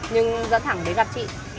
nhưng dẫn thẳng đến gặp chị